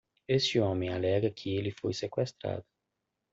Este homem alega que ele foi seqüestrado.